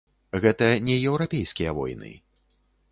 Гэта не еўрапейскія войны.